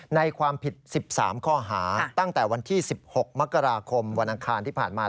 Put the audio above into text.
ในความผิด๑๓ข้อหาตั้งแต่วันที่๑๖มกราคมวันอังคารที่ผ่านมา